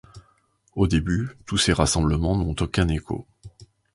Au début, tous ces rassemblements n'ont aucun écho.